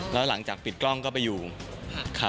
แล้วหลังจากปิดกล้องก็ไปอยู่ค่ะ